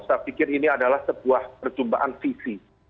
saya pikir ini adalah sebuah perjumpaan visi